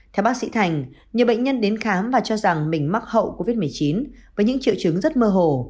theo bác sĩ thành nhiều bệnh nhân đến khám và cho rằng mình mắc hậu covid một mươi chín với những triệu chứng rất mơ hồ